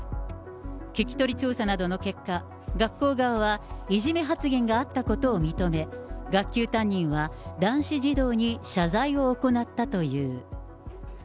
聞き取り調査などの結果、学校側はいじめ発言があったことを認め、学級担任は男子児童に謝罪を行ったという。